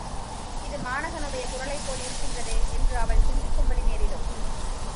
இது மாணகனுடைய குரலைப் போல் இருக்கின்றதே என்று அவள் சிந்திக்கும்படி நேரிடும்!